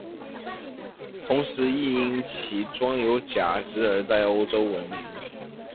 同时亦因其装有假肢而在欧洲闻名。